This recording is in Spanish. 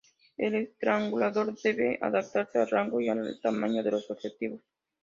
El estrangulador debe adaptarse al rango y al tamaño de los objetivos.